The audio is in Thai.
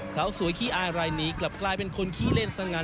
สาวสวยขี้อายรายนี้กลับกลายเป็นคนขี้เล่นสงัน